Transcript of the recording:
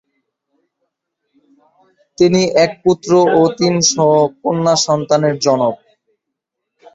তিনি এক পুত্র ও তিন কন্যা সন্তানের জনক।